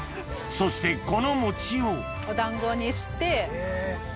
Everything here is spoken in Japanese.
そしてこの餅をお団子にして。